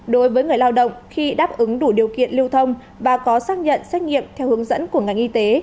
đối với người lao động khi đáp ứng đủ điều kiện lưu thông và có xác nhận xét nghiệm theo hướng dẫn của ngành y tế